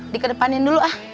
dikedepanin dulu ah